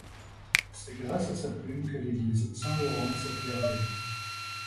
C'est grâce à sa plume que l'église Saint-Laurent est sauvegardée.